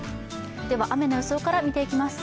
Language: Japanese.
雨の予想から見ていきます。